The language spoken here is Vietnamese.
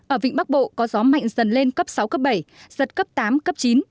ở vịnh bắc bộ có gió mạnh dần lên cấp sáu cấp bảy giật cấp tám cấp chín